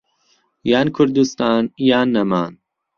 یان کوردستان یان نەمان.